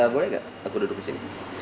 boleh gak aku duduk kesini